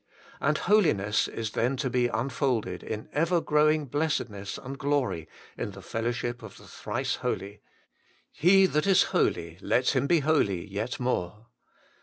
And holiness is then to be unfolded in ever growing blessedness and glory in the fellowship of the Thrice Holy :' He that is holy, let him be holy yet more.'